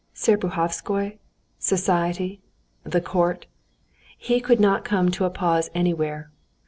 Serpuhovskoy? Society? The court?" He could not come to a pause anywhere.